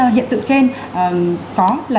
hiện tựu trên có là